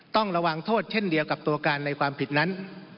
ต้องระวังโทษเช่นเดียวกับตัวการในความผิดนั้น